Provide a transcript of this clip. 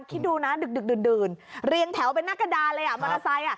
คิดดูนะดึงเรียงแถวเป็นนาคาดาเลยอะมันาไซน์อ่ะ